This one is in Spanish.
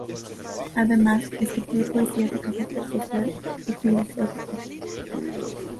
Además, escribió poesía de carácter social y filosófico.